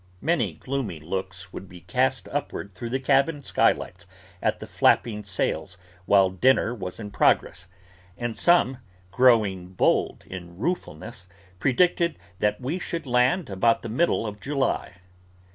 Many gloomy looks would be cast upward through the cabin skylights at the flapping sails while dinner was in progress; and some, growing bold in ruefulness, predicted that we should land about the middle of July.